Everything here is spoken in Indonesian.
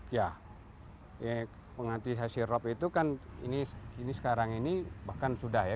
ya mengantisipasi rop itu kan ini sekarang ini bahkan sudah ya